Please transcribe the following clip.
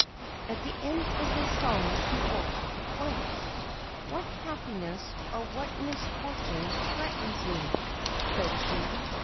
At the end of this song she woke up at once. ' What happiness or what misfortune threatens me ?' said she.